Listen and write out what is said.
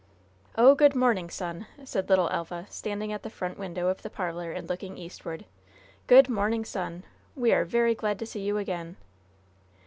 "Oh, good morning, Sun!" said little Elva, standing at the front window of the parlor and looking eastward. "Good morning, Sun! We are very glad to see you again!"